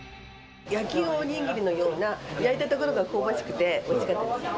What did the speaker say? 焼きお握りのような、焼いた所が香ばしくておいしかったです。